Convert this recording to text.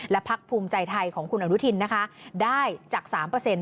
และพักภูมิใจไทยของคุณอนุทินนะคะได้จาก๓เปอร์เซ็นต